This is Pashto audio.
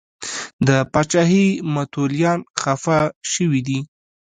د پاچاهۍ متولیان خفه شوي دي.